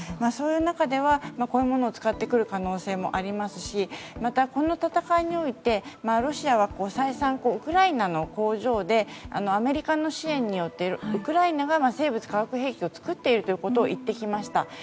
そういう中では、こういうものを使ってくる可能性もありますしまた、この戦いにおいてロシアは再三、ウクライナの工場でアメリカの支援によってウクライナが生物・化学兵器を作っているということを言ってきました。